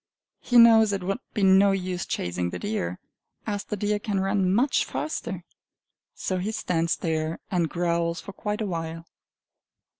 He knows it would be no use chasing the deer, as the deer can run much faster. So he stands there, and growls for quite a while.